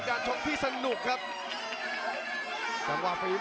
ประโยชน์ทอตอร์จานแสนชัยกับยานิลลาลีนี่ครับ